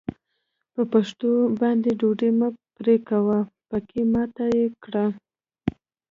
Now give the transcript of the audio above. په پښو باندې ډوډۍ مه پورې کوه؛ پکې ماته يې کړه.